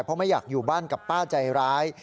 เพราะไม่อยากอยู่บ้านกับป้าใจร้าย